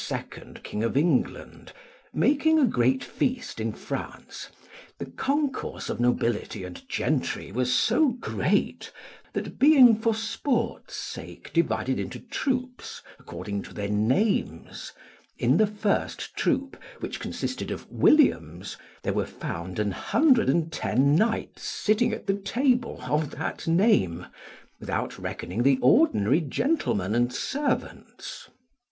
king of England, making a great feast in France, the concourse of nobility and gentry was so great, that being, for sport's sake, divided into troops, according to their names, in the first troop, which consisted of Williams, there were found an hundred and ten knights sitting at the table of that name, without reckoning the ordinary gentlemen and servants.